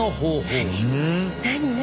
何何？